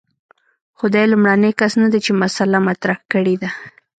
خو دی لومړنی کس نه دی چې مسأله مطرح کړې ده.